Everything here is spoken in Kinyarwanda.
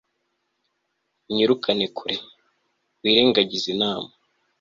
mwirukane kure wirengagize inama